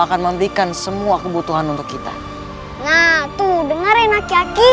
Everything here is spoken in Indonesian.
akan memberikan semua kebutuhan untuk kita nah tuh dengerin aki aki